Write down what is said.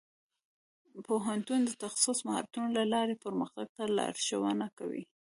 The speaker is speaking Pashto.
پوهنتون د تخصصي مهارتونو له لارې پرمختګ ته لارښوونه کوي.